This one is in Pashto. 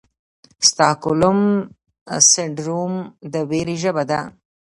سټاکهولم سنډروم د ویرې ژبه ده.